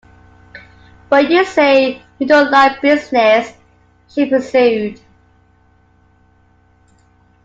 “But you say you don’t like business,” she pursued.